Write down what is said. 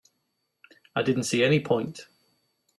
I didn't see any point.